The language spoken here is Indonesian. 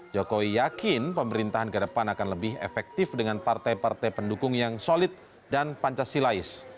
jokowi yakin pemerintahan ke depan akan lebih efektif dengan partai partai pendukung yang solid dan pancasilais